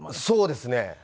そうですね。